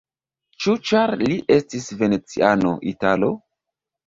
Ĉu ĉar li estis veneciano, italo?